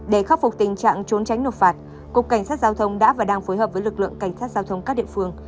để khắc phục tình trạng trốn tránh nộp phạt cục cảnh sát giao thông đã và đang phối hợp với lực lượng cảnh sát giao thông các địa phương